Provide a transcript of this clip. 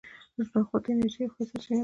نخود د انرژۍ یوه ښه سرچینه ده.